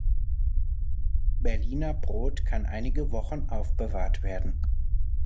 Berliner Brot kann einige Wochen aufbewahrt werden.